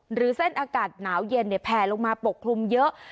หรือเส้นอากาศหนาวเย็นเนี่ยแพลลงมาปกลุ่มเยอะ